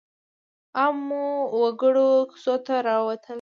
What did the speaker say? عامو وګړو کوڅو ته راووتل.